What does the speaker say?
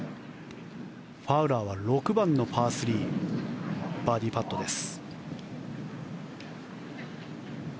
ファウラーは６番のパー３バーディーパットです。